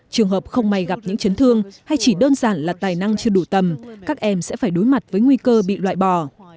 trường hợp không may gặp những chấn thương hay chỉ đơn giản là tài năng chưa đủ tầm các em sẽ phải đối mặt với nguy cơ bị loại bỏ